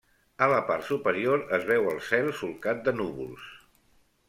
A la part superior es veu el cel solcat de núvols.